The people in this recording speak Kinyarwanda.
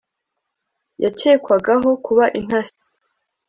yakekwagaho kuba intasi